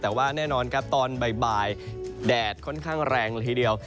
แต่ว่าแน่นอนครับตอนบ่ายแดดค่อนข้างแรงละทีเดียว